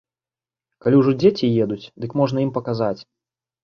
Калі ўжо дзеці едуць, дык можна ім паказаць.